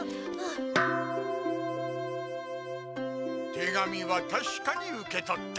手紙はたしかに受け取った。